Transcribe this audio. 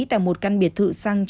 tại một căn biệt thự sáng